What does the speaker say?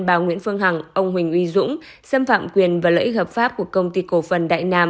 bà nguyễn phương hằng ông huỳnh uy dũng xâm phạm quyền và lợi ích hợp pháp của công ty cổ phần đại nam